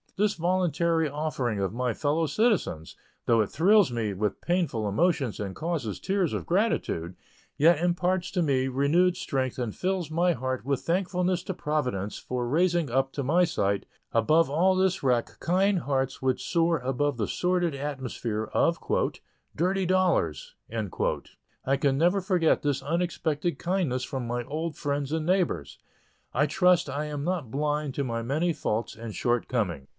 This voluntary offering of my fellow citizens, though it thrills me with painful emotions and causes tears of gratitude, yet imparts to me renewed strength and fills my heart with thankfulness to Providence for raising up to my sight, above all this wreck, kind hearts which soar above the sordid atmosphere of "dirty dollars." I can never forget this unexpected kindness from my old friends and neighbors. I trust I am not blind to my many faults and shortcomings.